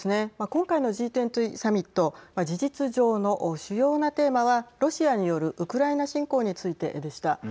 今回のＧ２０サミット事実上の主要なテーマはロシアによるウクライナ侵攻についてでした。